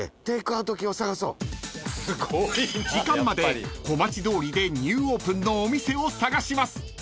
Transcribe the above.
［時間まで小町通りでニューオープンのお店を探します］